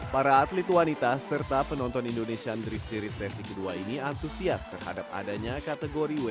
para atlet wanita serta penonton indonesian drift series sesi kedua ini antusias terhadap adanya kategori wni